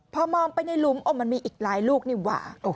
พอมองไปในหลุมมันมีอีกหลายลูกนี่หว่า